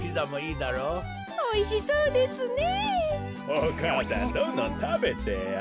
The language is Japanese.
お母さんどんどんたべてよ。